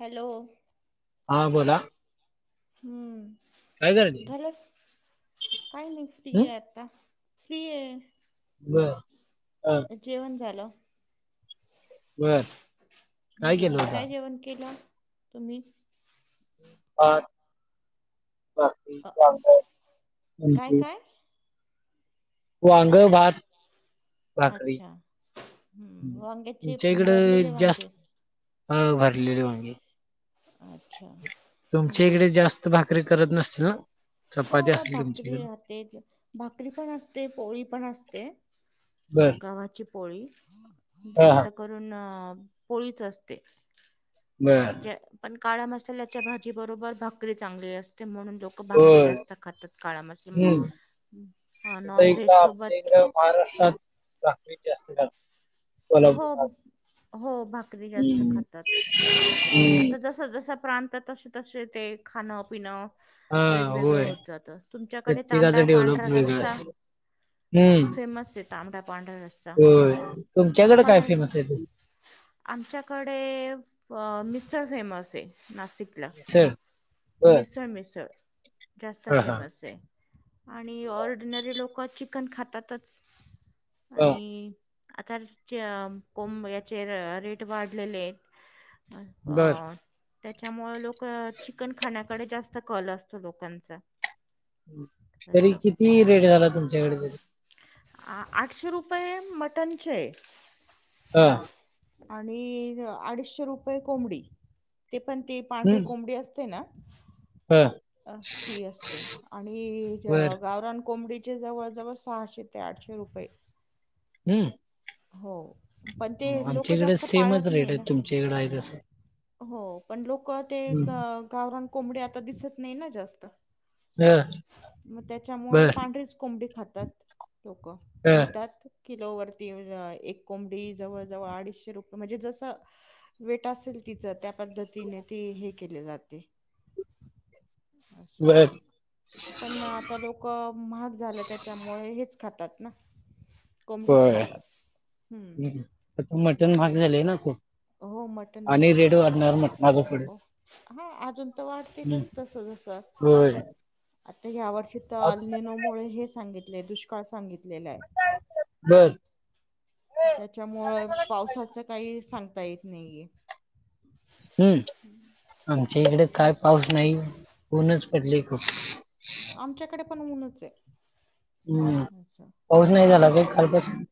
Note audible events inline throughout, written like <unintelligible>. Hello हा बोला हम्म काय करते झाला काय ल स्पी हं? यात स््री आहे ब ह जेवण झालं वर हम्म काय जेवण केलं तुम्ही बाकी अ च काय काय वांग भात भाकरी अच्छा हम्म वांग्याचे तुमच्या भरलेले इकडं जास्त वांगे हा भरले र मगे अच्छा हम्म तुमच्या इकडे हम्म. जास्त भाकरी करत नसतील ना ह चपाती मग असेल तुमच्या भाकरी इकडे राहते भाकरी पण असते पोळी पण असते बर गव्हाची पोळी हा हा जास्त करून पोळीच असते बर ज पण काळा मसाल्याच्या भाजी बरोबर भाकरी चांगली असते म्हणून लोक भाकरी होय जास्त खातात हं. काळामध्ये तसं नॉन इकडं व्हेज आमच्या सोबत इकडं महाराष्ट्रात प्रकृ अस हो हो भाकरी जास्त हं. खातात तिकडे हं. आता जस जस प्रांत तसे तसे ते खाणं पिणं हा वेगवेगळं होय होत जात तुमच्याकडे तांबडा प्रत्येकाचं पांढरा डेव्हलप वेगळं रस्ता असतं फेमसचे ताबडा पांडर रस्त हो तुमच्याकडे काय फेमस आहे त आमच्याकडे मिसळ फेमस आहे नाशिक ला मिसळ बर मिसर मिसर जास्त हा हा फेमस आहे आणि ऑर्डिनरी लोक चिकन खातातच हा. आणि आता कोम याचे रेट वाढलेले आहेत बर ह त्याच्यामुळे लोक चिकन खाण्याकडे जास्त कल असतो लोकांचा तरी असं किती रेट झाला तुमच्याकडे तरी आठशे रुपये मटनचे हा आणि अडीचशे रुपये कोंबडी ते पण ते पांढरी हम्म कोंबडी असते ना हा अ ती असते आणि बर गावरान कोंबडी जचे जवळ जव सहा शेेत ते आठशेेत रुपये हम्म हो पण ते लोक आमच्याकडे जास्त सेमच पाळत रेट नाही आहे ना तुमच्याकडे आहे तसं हो पण लोक ते हम्म. गावरान कोंबडे आता दिसत नाही ना जास्त हा मग त्याच्यामुळे बर पांढरीच कोंबडी खातात लोक हा घेतात किलोवर ती एक कोंबडी जवळजवळ अडीचशे रुपय म्हणजे जसं वेट असेल तिचं त्या पद्धतीने ती हे केले जाते अच्छा बर पण आता लोक महाग झालं त्याच्यामुळे हेच खातात ना कोंबडीच खातात हम्म ह् आता मटण भाहाग झालेय ना तू हो मटण आणि महाग रेडओ आहे आणढणार मण माझं पुुढे ओ हा अजून तर वाटतीलच तस जस होय आता या वर्षी तर अल्ननोमुळेळे हे सांगितले दुष्काळ सांगितलेलं आहे बर त्याच्यामुळं पावसाचं काही सांगता येत नाहीये हम्म आमच्या इकडे काय बस पाऊस नाही पऊनच पडले खूप आमच्याकडे पण ऊनच आहे हम्म असं पाऊस नाही झाला तुम काही कालपासून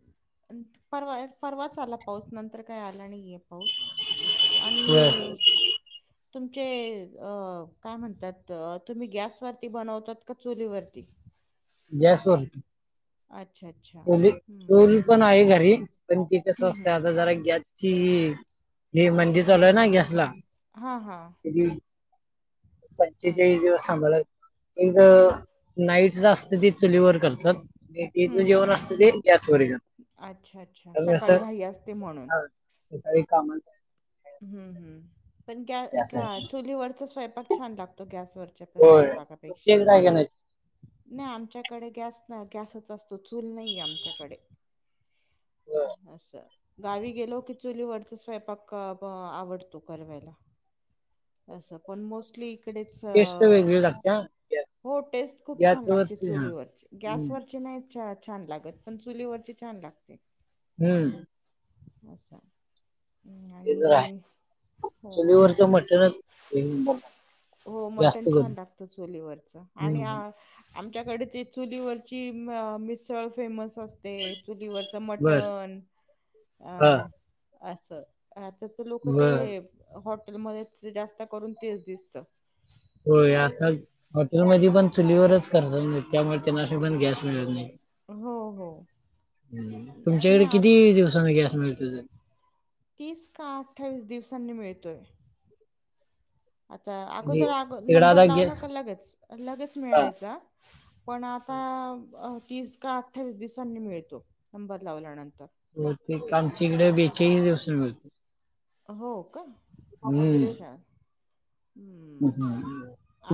परवा परवाच आला पाऊस नंतर काय आला नाहीये पाऊस आणि बर तुमचे काय म्हणतात तुम्ही गॅसवरती बनवतात का चुलीवरती अच्छा अच्छा गॅसवररतीली हम्म टली पण आहे घरी पण ती कसं हम्म असत हम्म आता जरा ग्याची हे मंदीर चालूय ना गॅसला हां हां पंचेचाळीस अच्छा दिवस सांभाळ एक नाईट असत ती चुलीवर करतात तच हम्म जेवण हम्म असतं ते गॅस व करतात अच्छा अच्छा सकाळी घाई असते म्हणून स कामचा हम्म हम् पण गॅ ए त्यासाठी चुलीवरच स्वयंपाक छान लागतो गॅसवर होय तुमच्या पाकपेक्षा इकडे काय काय नाही नाही आमच्याकडे गॅस गॅसच असतो चूल नाही आमच्याकडे अच्छा गावी गेलो की चुलीवररत स्वयंपाक आवडतो कवायला तसं पण मोस्टली इकडेच अ टेस्ट वेगळी लागते हा गॅ- हो टेस्ट खूप छान लागते गॅसवरची हा चुलीवरची हम्म गॅसवररची नाही च छान लागत पण चुलीवरती छान लागते हम्म अच्छा ते तर आहे आणि हो चुलीवरचं मटणच एक नंबरला हो जास्त मटण छान करून लाागतो चोलीवरच आणि हम्म आमच्याकडे ते चुलीवरची मिसळ फेमस असते चुलीवरच मट बर टन अ हा असं अस तर लोक ते बर हॉटेलमध्ये ते जास्त करून तेच दिसत होय आता हॉटेलमध्ये पण चुलीवरच करत नाही त्यामुळे त्यांनाशी पण गॅस मिळत नाही हो हो तुमच्याकडे नाही आ किती दिवसानी गॅस मिळते ते तीस का अठ्ठावीस दिवसांनी मिळतोय आता म्हणजे अगोदरगो तिकडे नंबर आता लावला गॅस का लगेच लगेच हा मिळायचा पण आता तीस का अठ्ठावीस दिवसांनी मिळतो नंबर लावल्यानंतर हो ते आमच्या इकडे बेचाळीस दिवस मिळतो हो का हम्म अच्छा हम्म.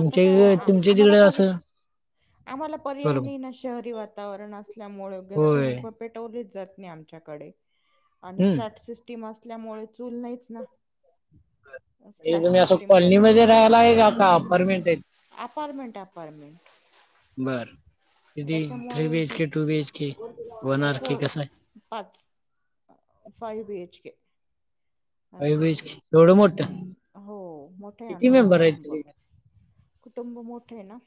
आता काय आ- तुमच्या आम्हाला तिकडे पर्या असं आम्हाला पर्याय बरोबर नाही ना शहरी वातावरण असल्यामुळे चूल होय आ हम्म <inaudible> <inaudible> कॉलनी मध्ये राहायला आहे का का अपार्टमेंट आहे अपार्टमेंट अपार्टमेंट बर कि थ्री बीएच त्याच्यामुळे के टू बीएच के वन आर केी कस आहे पाचच five B H K five B असं एच के एवढं मोठं हम्म हो मोठं आहे किती आमचं मेंबर आहेत कुटुंब तरी कुटुंब मोठं आहे ना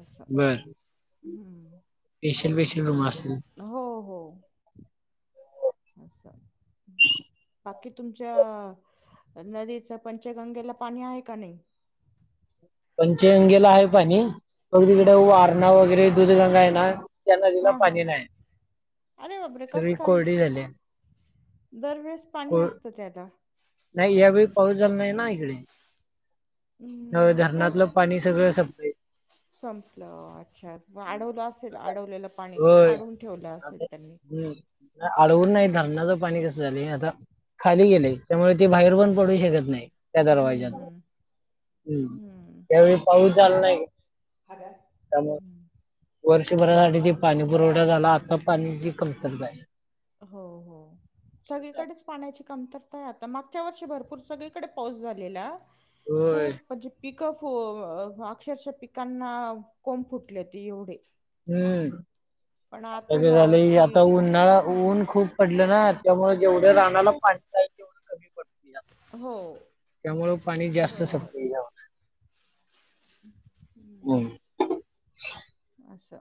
असं हम्म पेशल बेशल रूम असल हो हो असचछ पाकेट तुमच्या नदीच पंचगंगेला पाणी आहे का नाही पंच अंगेला आहे पाणी अग तिकडे हां हां वारणा वगैरे दूध गंगा आहे ना त्या नदीला हा हा पाणी नाही अरे बापरे सगळी कोरडी झाली दरवेेळेस पाणी कोर असतं ते आदा नाही यावेळी पाऊस झाला नाही ना इकडे हम्म, पु धरणातलं पाणी सगळं सप्लाय संपलं अच्छा आडवलं असेल आता. आडवलेलं पाणी होय आडवून ठेवलं असेल त्यांनी आळवून नाही हम्म धरणाचं पाणी कसं झालं आता खाली गेलंय त्यामुळे ती बाहेर पण पडू शकत नाही त्या हम्म दरवाज्यात हम्म हम्म त्यावेळी पाहू चाल नाही त्यामुळे हम्म. वर्षभरासाठी ते अच्छा पाणी पुरवठा झाला आता पाणीची कमतरता आहे हो हो सगळीकडेच पाण्याची कमतरता आहे आता मागच्या वर्षी भरपूर सगळीकडे पाऊस झालेला होय खूप म्हणजे पिकं फ अक्षरशः पिकांना कोंब फुटले हो ते एवढे हम्म पण आता ह्या झालं वर्षी आता उन्हाळा हा उऊन खूप पडलं ना त्यामुळे जेवढ्या रानाला पाडता पाऊस कधी पडतो या हो त्यामुळ पाणी जास्त सपुया हम् <unintelligible> हम् अच्छा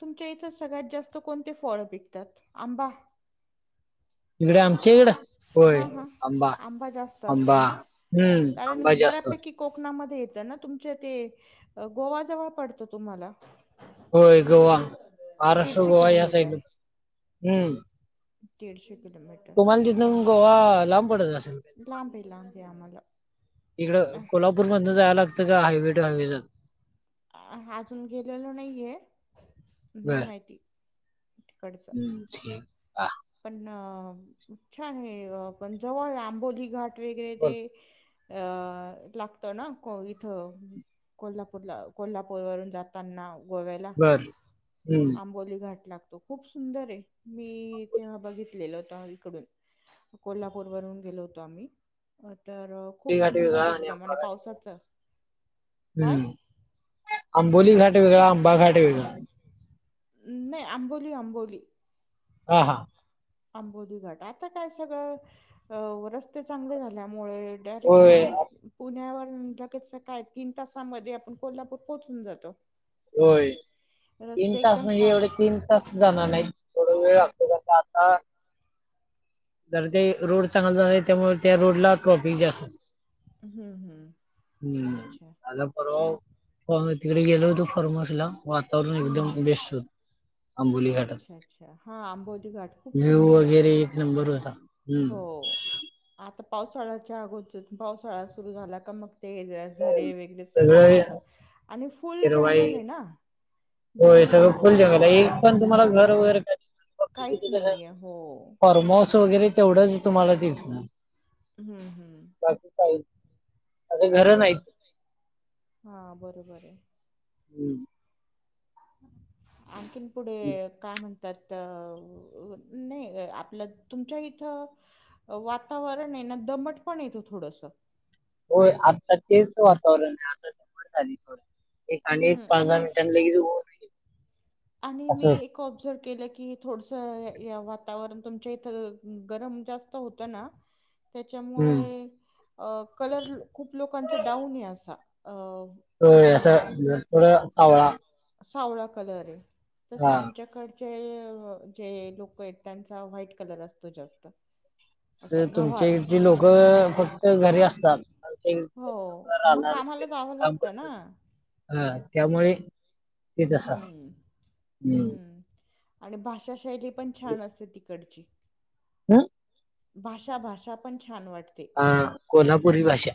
तुमच्या इथं सगळ्यात जास्त कोणते फळ पिकतात आंबा इकडे आमच्या इकडं होय हा हा आंबा जास्त असेल आंबा ना हम्म कारण आंबा जास्त असतो. बऱ्यापैकी कोकणामध्ये येत ना तुमच्या ते गोवा जवळ पडत तुम्हाला होय गोवा महाराष्ट्र दीडशे गोवा या किलोमीटर. साईड हम्म दीडशे कलोमीटर तुम्हाला तिथून गोवा लांब पडत असेल काय लांब आहे लांब आहे आम्हाला इकडं कोल्हापूर मध जायला लागतं का हायवे ट हायवे ज अ आजून गेलेल नाहीये नाही माहिती तिकड ् बा <unintelligible> पण छान आहे पण जवळ आंबोली घाट वगैरे बर ते अ लागत ना काॅ इथं कोल्हापूरला कोल्हापूर वरून जाताना गोव्याला बर हम्म आंबोली घाट लागतो खूप सुंदर आहे मी तेवा बघितलेललं होत इकडून कोल्हापूर वरून गेलो होतो आम्ही अ तर खूप आंबोली घाट वेगळा सुंदर एकदम आंबा आणि घाट वेगळा. पावसाच हम्म आंबोली घाट वेगळा खूप आंबा घाट वेगळा. नाही आंबोलली आंबोलली ह हां आंबोली घाट आता काय सगळं अ रस्ते चांगले झाल्यामुळे डयरेक्ट होय पुणे पुण्यावर म्ह लगेच सकाळ तीन तासामध्ये आपण कोल्हापूर पोहोचून जातो होय तीन रस्ते तास एकदम म्हणजे एवढे फास्ट तीन तस जाणार नाही थोड वेळ लागतो तर आता जर ते रोड चांगला झाला त्यामुळे त्या रोड ला ट्रॉफिक जातो हम्म अच्छा झाला परवा तिकडे गेलो होतो फर््मस ला वातावरण हम्म एकदम हम्म बेस्ट होत आंबोली घाटात अच्छा अच्छा हा आंबोली घाट खूप व्ह्यू सुंदर आहे वगैरे एक नंबर होता हम्म हो आता पावसाळ्याच्या अगोदरत पावसाळा सुरु झाला का मग ते झरे वै व सगळं वाहतात आणि फुल जंगल आहे ना. हो जंगल आहे सगळं फुल जंगल आहे एक पण तुम्हाला घर वगैरे काय काहीच दि नाहीये हो फॉर्मस वगैरे तेवढंच तुम्हाला दिसणार हम्म हम्म बाकी काही असं हा घर नाहीत हा बरोबर आहे. हम्म आणखीन पुढे काय म्हणत त्यात नाही आपल्यात तुमच्या इथं वातावरण आहे ना दमट पण येतं थोडंस होय आता तेच वातावरण आहे आता जवर झाली थोडं एक आणि एक हम्म पाच दहा आणि मिनिटां लगेच उघन राल आणि मी एक ऑब्झर्व केलं की थोडसं या वातावरण तुमच्या इथं गरम जास्त होतं ना ह हम्म त्याच्यामुळे कलर खूप लोकांचा डाऊनही असा अ याचं म- थोडं वळा सावळा कलर आहे तस हा आमच्याकड जे लोक आहेत त्यांचा व्हाईट कलर असतो जास्त असा तुमच्या गव्हाळ इडचे लोक फक्त घरी असतात आमच्या इकडचे हो लोकं मग रानात कामाला वगैरे जावं काम लागतं ना करतात हा त्यामुळे ते तसं असतं हम्म हम्म आणि भाषा शैली पण छान असते तिकडची. हम भाषा भाषा पण छान वाटते अ कोल्हापुरी भाषा,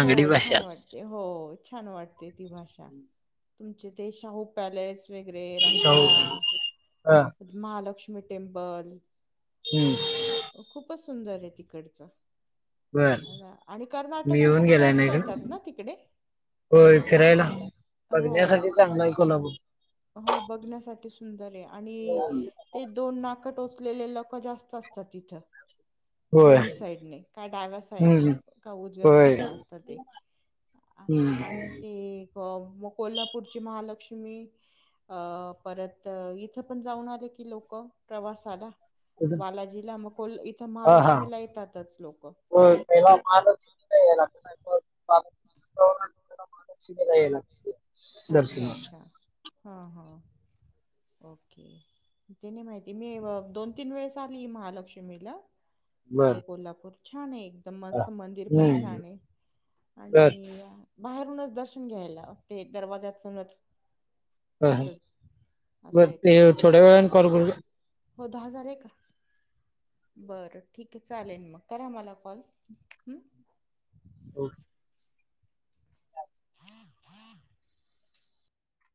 हो भाषा छान वाटते. हो छान वाटते ती भाषा तुमचे ते शाहू पॅलेस वगरे सौ रंकाळा हा महालक्ष्मी टेमपल हम्म खूपच सुंदर आहे तिकडचं बर अ आणि मी कर्नाटकी येऊन लोक गेलाय ना जास्त इकडं येतात ना तिकडे होय फिरायला हो. बघण्यासाठी चांगलं आहे कोणाण हो बघण्यासाठी सुंदर आहे आणि ते दोन नाक टोचलेले लोक जास्त असतात तिथं होय दोन्ही साईडने का डाव्या हम्म साईडने का उजव्या होय साईडने असतात ते हम्म आणि ते मग कोल्हापूरची महालक्ष्मी अ परत इथं पण जाऊन आले की लोक प्रवासाला कुठं? बालाजीला मग कोल इथं महालक्ष्मीला येतातच लोक ह मा <inaudible> अच्छा अच्छा हां हां ओके ते नाही माहिती मी दोन तीन वेळेस आली महालक्ष्मीला तिकडे बर कोल्हापूर छान आहे एक हा मस्त मंदिर पण हम्म छान आहे बर आणि बाहेरूनच दर्शन घ्यायला ते दरवाज्याूनच ह बर ते तिथं. थोड्या वेळने कॉल कर हो दहा हजार आहे का बरं ठीक आहे चालेल मग करा मला कॉल ह हो खात खात